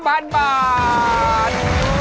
มันต้องถูกด้วย